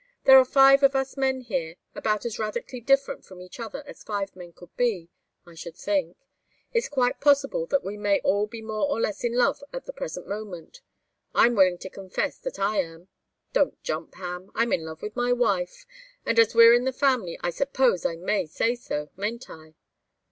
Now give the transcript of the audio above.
There are five of us men here, about as radically different from each other as five men could be, I should think. It's quite possible that we may all be more or less in love at the present moment. I'm willing to confess that I am. Don't jump, Ham! I'm in love with my wife, and as we're in the family I suppose I may say so, mayn't I?"